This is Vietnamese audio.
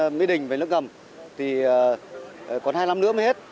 bến xe mỹ đình về nước ngầm thì còn hai năm nữa mới hết